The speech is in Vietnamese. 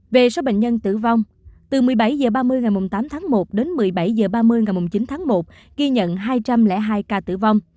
về số bệnh nhân tử vong từ một mươi bảy h ba mươi ngày tám tháng một đến một mươi bảy h ba mươi ngày chín tháng một ghi nhận hai trăm linh hai ca tử vong